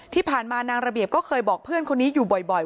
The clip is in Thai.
ที่ผ่านมานางระเบียบก็เคยบอกเพื่อนคนนี้อยู่บ่อย